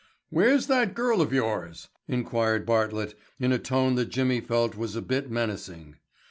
"Where's that girl of yours?" inquired Bartlett in a tone that Jimmy felt was a bit menacing.